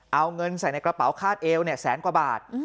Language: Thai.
เอาเงินใส่ในกระเป๋าคาดเอวแสนกว่าบาท